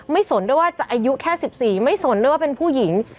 สนด้วยว่าจะอายุแค่๑๔ไม่สนด้วยว่าเป็นผู้หญิง